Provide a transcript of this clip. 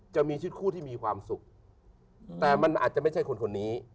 จะมีชีวิตคู่ที่มีความสุขแต่มันอาจจะไม่ใช่คนคนนี้